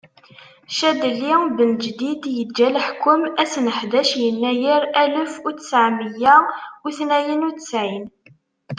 Cadli Benǧdid yeǧǧa leḥkum ass n ḥdac yennayer alef utseɛ meyya utnayen utesɛin.